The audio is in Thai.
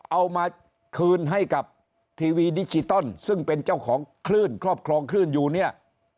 เอามาคืนให้กับทีวีดิจิตอลซึ่งเป็นเจ้าของคลื่นครอบครองคลื่นอยู่เนี่ย